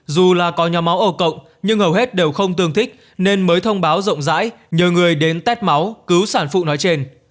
dù là có nhóm máu o nhưng hầu hết đều không tương thích nên mới thông báo rộng rãi nhờ người đến tét máu cứu sản phụ nói trên